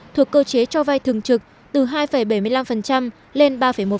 thuộc cơ chế cho vay thường trực từ hai bảy mươi năm lên ba một